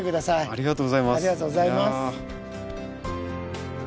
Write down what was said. ありがとうございます。